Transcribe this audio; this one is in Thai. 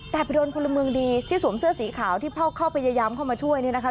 แต่ไปโดนพลเมืองดีที่สวมเสื้อสีขาวที่เข้าไปพยายามเข้ามาช่วยเนี่ยนะคะ